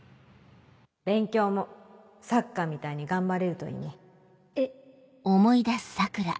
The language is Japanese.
勉強もサッカーみたいに頑張れるといえっ？